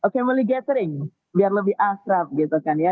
family gathering biar lebih akrab gitu kan ya